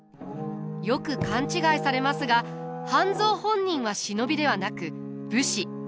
よく勘違いされますが半蔵本人は忍びではなく武士。